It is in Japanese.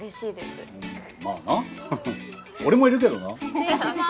失礼します。